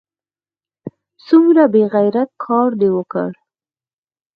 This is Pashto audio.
څومره بې غیرته کار دې وکړ!